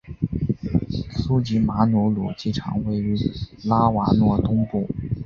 苏吉马努鲁机场位于拉瓦若东部。